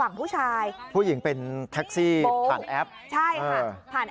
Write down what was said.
รู้แต่ว่าเป็นผู้หญิงกับผู้ชาย